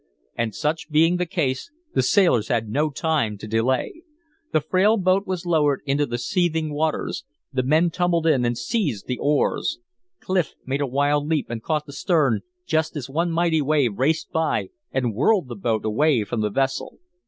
And such being the case the sailors had no time to delay. The frail boat was lowered into the seething waters; the men tumbled in and seized the oars. Clif made a wild leap and caught the stern just as one mighty wave raced by and whirled the boat away from the vessel.